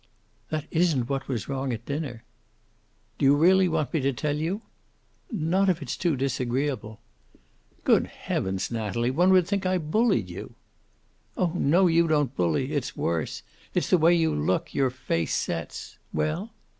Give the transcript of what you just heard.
"That isn't what was wrong at dinner." "Do you really want me to tell you?" "Not if it's too disagreeable." "Good heavens, Natalie. One would think I bullied you!" "Oh, no, you don't bully. It's worse. It's the way you look. Your face sets. Well?"